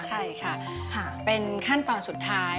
ใช่ค่ะเป็นขั้นตอนสุดท้าย